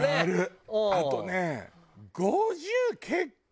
あとね。